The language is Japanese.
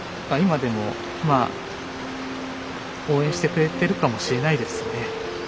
今でもまあ応援してくれてるかもしれないですね。